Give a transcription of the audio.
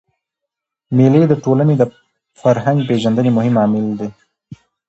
مېلې د ټولني د فرهنګ پېژندني مهم عامل دئ.